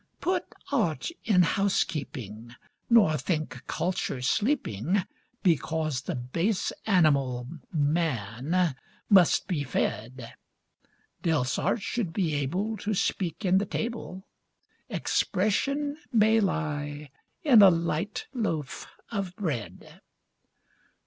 Put art in housekeeping, nor think culture sleeping Because the base animal, man, must be fed. Delsarte should be able to speak in the table 'Expression' may lie in a light loaf of bread.